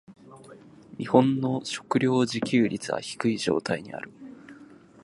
日本の食糧自給率は低い状態にある。